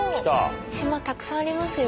島たくさんありますよ。